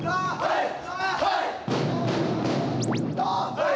はい！